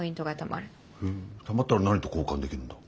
へえたまったら何と交換できるんだ？